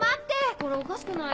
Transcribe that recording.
これおかしくない？